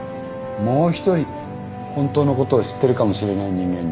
もう一人本当のことを知ってるかもしれない人間に。